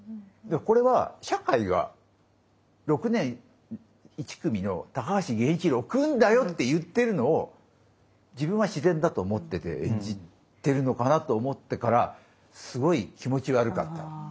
これは社会が「６年１組の高橋源一郎君だよ」って言ってるのを自分は自然だと思ってて演じてるのかなと思ってからすごい気持ち悪かった。